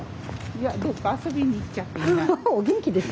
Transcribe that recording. いやどっか遊びに行っちゃっていない。